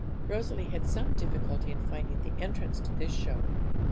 Rosalie had some difficulty in finding the entrance to this show.